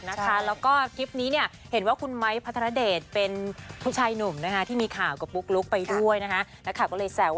มันก็คือจบมันไม่มีใคร